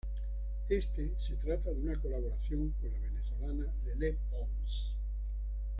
Este se trata de una colaboración con la venezolana Lele Pons.